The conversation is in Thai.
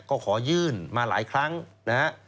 ก็ขอยื่นมาหลายครั้งนะฮะ